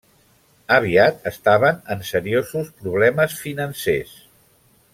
Aviat estaven en seriosos problemes financers.